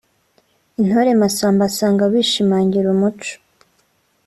Intore Massamba asanga bishimangira umuco